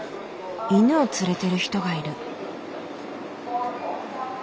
犬を連れてる人がいる。